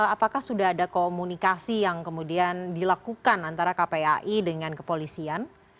apakah sudah ada komunikasi yang kemudian dilakukan antara kpai dengan kepolisian